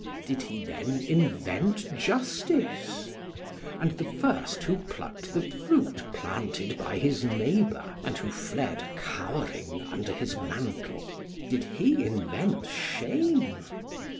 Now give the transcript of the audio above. Did he then invent justice? And the first who plucked the fruit planted by his neighbor and who fled cowering under his mantle, did he invent shame?